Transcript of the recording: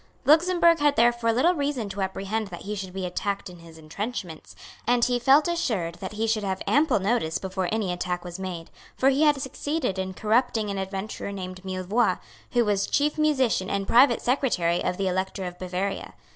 Luxemburg had therefore little reason to apprehend that he should be attacked in his entrenchments; and he felt assured that he should have ample notice before any attack was made; for he had succeeded in corrupting an adventurer named Millevoix, who was chief musician and private secretary of the Elector of Bavaria.